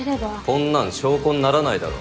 こんなん証拠にならないだろ。